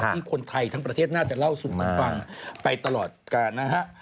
ที่คนไทยทั้งประเทศน่าจะเล่าสู่กันฟังไปตลอดการนะฮะ